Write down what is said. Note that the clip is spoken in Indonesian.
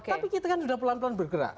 tapi kita kan sudah pelan pelan bergerak